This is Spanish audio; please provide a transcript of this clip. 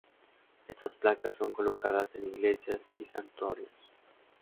Estas placas son colocadas en iglesias y santuarios.